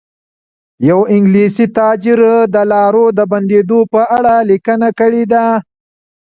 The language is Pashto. یو انګلیسي تاجر د لارو د بندېدو په اړه لیکنه کړې ده.